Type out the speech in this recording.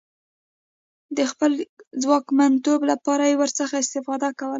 د خپل ځواکمنتوب لپاره یې ورڅخه استفاده کوله.